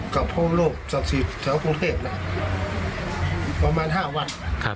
กับผู้โลกศาสตรีแถวกรุงเทพประมาณ๕วัน